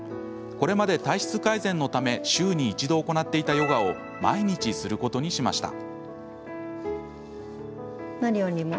これまで体質改善のため週に一度行っていたヨガを毎日することにしました。